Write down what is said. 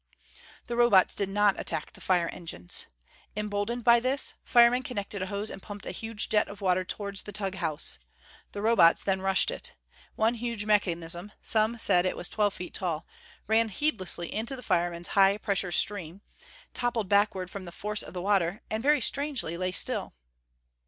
The Robots did not attack the fire engines. Emboldened by this, firemen connected a hose and pumped a huge jet of water toward the Tugh house. The Robots then rushed it. One huge mechanism some said it was twelve feet tall ran heedlessly into the firemen's high pressure stream, toppled backward from the force of the water and very strangely lay still.